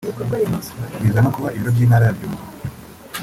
biza no kuba ibiro by’Intara ya Byumba